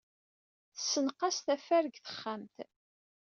Tessenqas tafar deg texxamt.